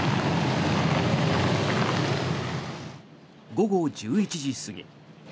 午後１１時過ぎ。